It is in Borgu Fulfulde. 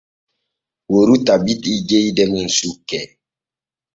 Woru tabbiti jeyde mum suke.